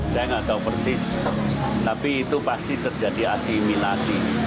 saya nggak tahu persis tapi itu pasti terjadi asimilasi